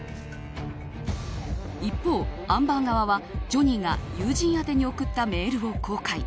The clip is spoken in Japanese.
一方、アンバー側はジョニーが友人宛てに送ったメールを公開。